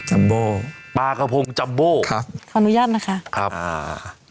ัมโบปลากระพงจัมโบครับขออนุญาตนะคะครับอ่า